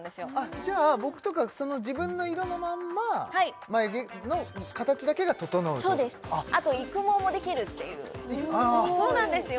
じゃあ僕とか自分の色のまんま眉毛の形だけが整うとそうですあと育毛もできるっていうそうなんですよ